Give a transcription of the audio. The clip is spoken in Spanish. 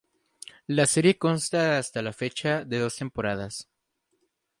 La serie consta hasta la fecha de dos temporadas.